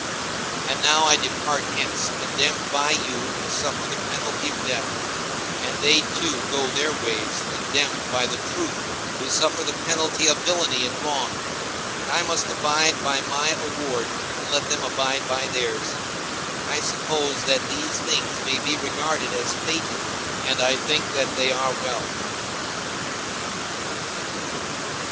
And now I depart hence condemned by you to suffer the penalty of death, and they, too, go their ways condemned by the truth to suffer the penalty of villainy and wrong; and I must abide by my award—let them abide by theirs. I suppose that these things may be regarded as fated—and I think that they are well.